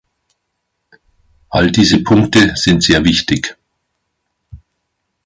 All diese Punkte sind sehr wichtig.